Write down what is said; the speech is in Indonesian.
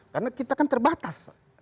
karena kita kan terbatas